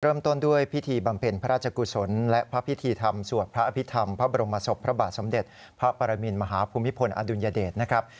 เริ่มต้นด้วยพิธีบำเพ็ญพระราชกุศลและพระพิธีธรรมสวดพระอภิษฐรรมพระบรมศพพระบาทสมเด็จพระปรมินมหาภูมิพลอดุลยเดชนะครับ